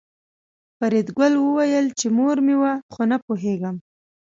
فریدګل وویل چې مور مې وه خو نه پوهېږم